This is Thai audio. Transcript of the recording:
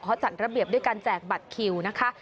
เขาจัดระเบียบด้วยการแจกบัตรคิวนะคะ